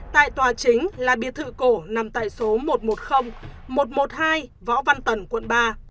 tại tòa chính là biệt thự cổ nằm tại số một trăm một mươi một trăm một mươi hai võ văn tần quận ba